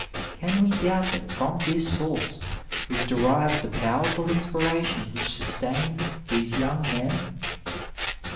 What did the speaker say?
Can we doubt that from this source was derived the power ful inspiration which sustained these young men.